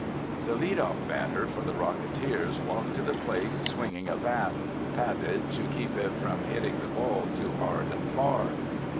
The lead off batter for the Rocketeers walked to the plate swinging a bat, padded to keep it from hitting the ball too hard and far.